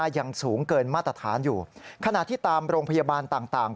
ยังสูงเกินมาตรฐานอยู่ขณะที่ตามโรงพยาบาลต่าง